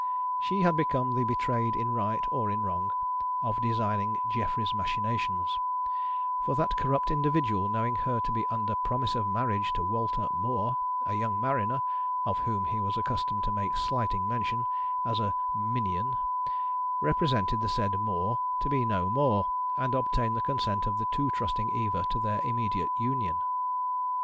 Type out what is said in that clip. She had become the Betrayed in right — or in wrong — of designing Geoffrey's machinations; for that corrupt individual, knowing her to be under prom ise of marriage to Walter More, a young mariner (of whom he was accustomed to make slighting mention, as a " min ion"), represented the said More to be no more, and obtained the consent of the too trusting Eva to their immediate union.